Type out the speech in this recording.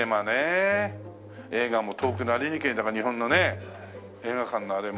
映画も遠くなりにけりだから日本のね映画館のあれも。